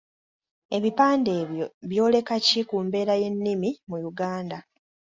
Ebipande ebyo byoleka ki ku mbeera y’ennimi mu Uganda?